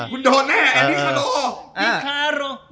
คุณโดนแน่อัลลิคาโร